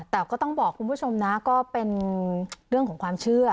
แต่ก็ต้องบอกคุณผู้ชมนะก็เป็นเรื่องของความเชื่อ